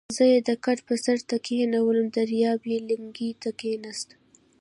زه یې د کټ بر سر ته کېنولم، دریاب یې لنګې ته کېناست.